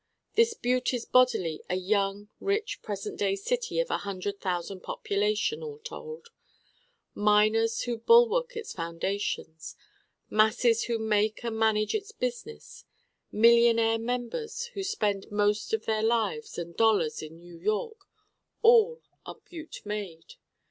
This Butte is bodily a young rich present day city of a hundred thousand population, all told: miners who bulwark its foundations: masses who make and manage its business: millionaire members who spend most of their lives and dollars in New York: all are Butte made.